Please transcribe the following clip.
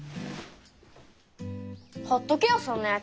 ほっとけよそんなやつ。